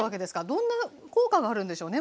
どんな効果があるんでしょうね？